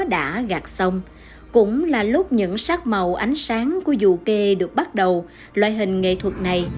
đã gạt sông cũng là lúc những sắc màu ánh sáng của du ke được bắt đầu loại hình nghệ thuật này